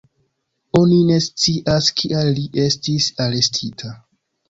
Oni ne scias kial li estis arestita.